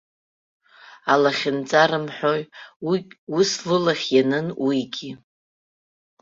Алахьынҵа рымҳәои, ус лылахь ианын уигьы.